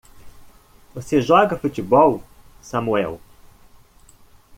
Você joga futebol, Samuel?